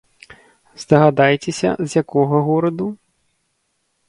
Здагадайцеся, з якога гораду?